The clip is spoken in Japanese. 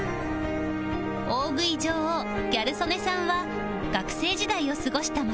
大食い女王ギャル曽根さんは学生時代を過ごした街